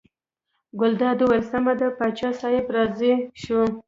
ګلداد وویل سمه ده پاچا صاحب راضي شو.